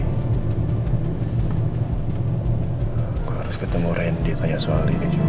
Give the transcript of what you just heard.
aku harus ketemu randy tanya soal ini juga